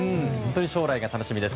将来が楽しみです。